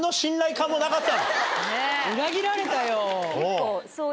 裏切られたよ。